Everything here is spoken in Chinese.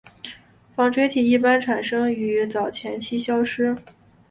纺锤体一般产生于早前期消失。